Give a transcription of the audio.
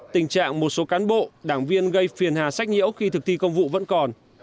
tình trạng một số cán bộ đảng viên gây phiền hà sách nhiễu khi thực thi công vụ vẫn còn